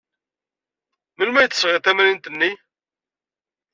Melmi ay d-tesɣiḍ tamrint-nni?